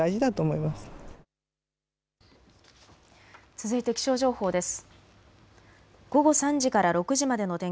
続いて気象情報です。